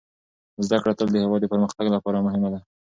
زده کړه تل د هېواد د پرمختګ لپاره مهمه ده.